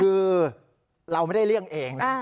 คือเราไม่ได้เลี่ยงเองนะ